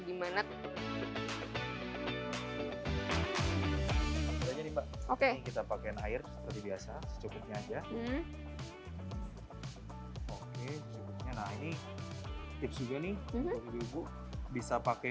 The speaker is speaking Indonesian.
gimana oke kita pakai air seperti biasa cukupnya aja oke cukupnya nah ini tips juga nih bisa pakai